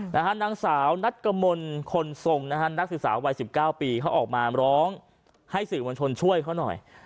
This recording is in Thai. นางสาวนัดกมลคนทรงนะฮะนักศึกษาวัย๑๙ปีเขาออกมาร้องให้สื่อมวลชนช่วยเขาหน่อย